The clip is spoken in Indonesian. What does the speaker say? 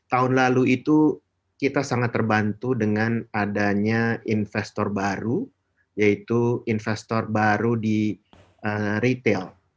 tahun lalu itu kita sangat terbantu dengan adanya investor baru yaitu investor baru di retail